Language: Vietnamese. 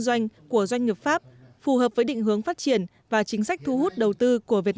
doanh của doanh nghiệp pháp phù hợp với định hướng phát triển và chính sách thu hút đầu tư của việt